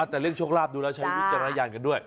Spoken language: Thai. แต่เรื่องโชคลาภดูแล้วใช้วิจารณญาณกันด้วย